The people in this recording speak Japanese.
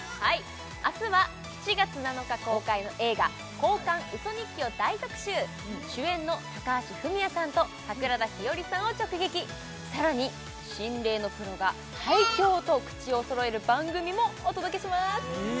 明日は７月７日公開の映画「交換ウソ日記」を大特集主演の高橋文哉さんと桜田ひよりさんを直撃さらに心霊のプロが最恐と口をそろえる番組もお届けしますえ！？